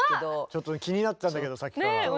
ちょっと気になってたんだけどさっきから。